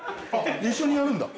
一緒にやるんだ。